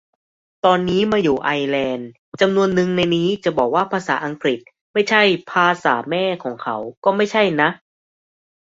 ตอนนี้มาอยู่ไอร์แลนด์ จำนวนนึงในนี้จะบอกว่าภาษาอังกฤษไม่ใช่ "ภาษาแม่" ของเขาก็ไม่ใช่นะ